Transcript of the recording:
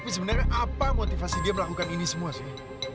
tapi sebenarnya apa motivasi dia melakukan ini semua sih